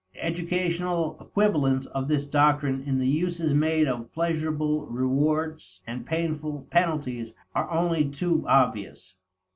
The educational equivalents of this doctrine in the uses made of pleasurable rewards and painful penalties are only too obvious.